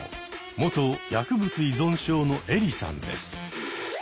元薬物依存症のエリさんです。